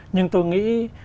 nhưng tôi nghĩ